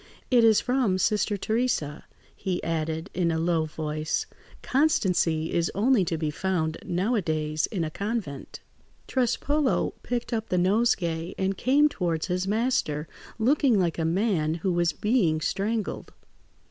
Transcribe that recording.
"It is from Sister Theresa," he added, in a low voice; "constancy is only to be found, nowadays, in a convent." Trespolo picked up the nosegay and came towards his master, looking like a man who was being strangled.